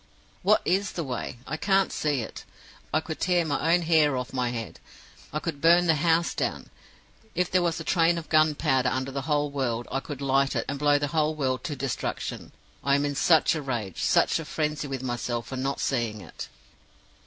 "What is the way? I can't see it. I could tear my own hair off my head! I could burn the house down! If there was a train of gunpowder under the whole world, I could light it, and blow the whole world to destruction I am in such a rage, such a frenzy with myself for not seeing it!